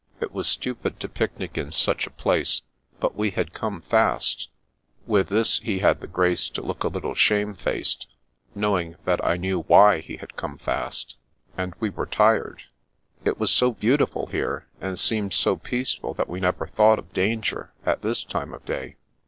" It was stupid to picnic in such a place, but we had come fast" (with this he had the grace to look a little shame faced, knowing that I knew why he had come fast) " and we were tired. It was so beautiful here, and seemed so peaceful that we never thought of danger, at this time of day.